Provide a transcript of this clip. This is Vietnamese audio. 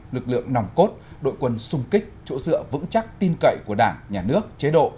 lực lượng nòng cốt đội quân xung kích chỗ dựa vững chắc tin cậy của đảng nhà nước chế độ